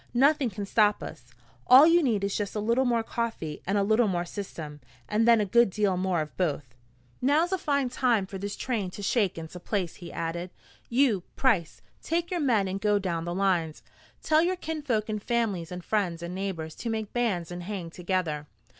Nothing can stop us. All you need is just a little more coffee and a little more system, and then a good deal more of both. "Now's a fine time for this train to shake into place," he added. "You, Price, take your men and go down the lines. Tell your kinfolk and families and friends and neighbors to make bands and hang together.